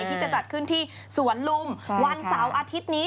ที่จะจัดขึ้นที่สวนลุมวันเสาร์อาทิตย์นี้